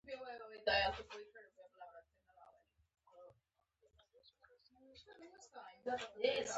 دوی له کوټې ووتل او زه په کوټه کې یوازې پاتې شوم.